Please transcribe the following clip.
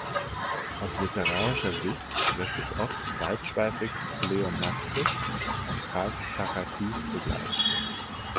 Aus literarischer Sicht wirkt es oft weitschweifig-pleonastisch und karg-plakativ zugleich.